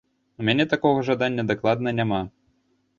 У мяне такога жадання дакладна няма!